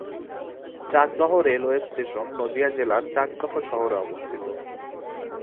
Chakdaha railway station Nadia জেলার চাকদহ শহরে অবস্থিত।